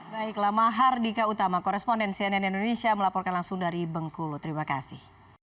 baiklah mahardika utama koresponden cnn indonesia melaporkan langsung dari bengkulu terima kasih